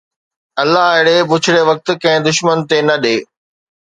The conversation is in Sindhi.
الله اهڙي بڇڙي وقت ڪنهن دشمن تي نه ڏي